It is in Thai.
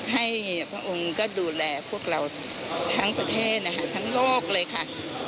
ให้พระองค์ก็ดูแลพวกเราทั้งประเทศนะคะทั้งโลกเลยค่ะ